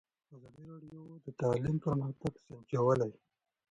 ازادي راډیو د تعلیم پرمختګ سنجولی.